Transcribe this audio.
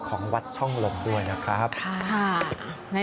ของวัดช่องลมด้วยนะครับ